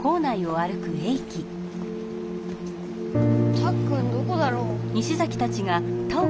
たっくんどこだろう？